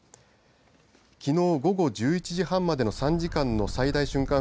きのう午後１１時半までの３時間の最大瞬間